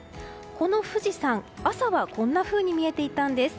この富士山、朝はこんなふうに見えていたんです。